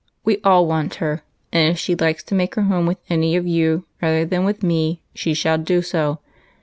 We all want her, and if she likes to make her home with any of you rather than with me, she shall do so.